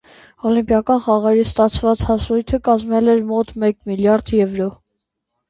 Օլիմպիական խաղերից ստացված հասույթը կազմել էր մոտ մեկ միլիարդ եվրո։